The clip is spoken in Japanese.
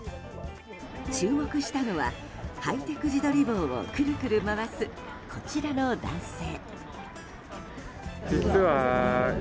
注目したのはハイテク自撮り棒をくるくる回す、こちらの男性。